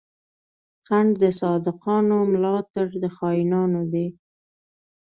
خنډ د صادقانو، ملا تړ د خاينانو دی